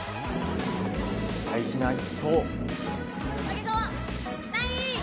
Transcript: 大事な一投。